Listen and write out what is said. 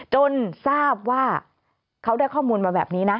จนทราบว่าเขาได้ข้อมูลมาแบบนี้นะ